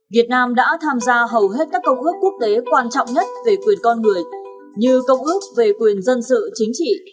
việt nam đã tham gia hầu hết các công ước quốc tế quan trọng nhất về quyền con người như công ước về quyền dân sự chính trị